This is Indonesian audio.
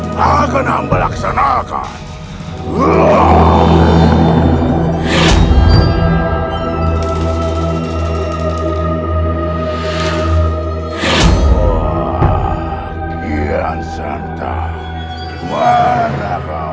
aku akan melaksanakannya